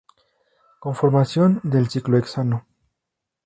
Conformación del ciclohexano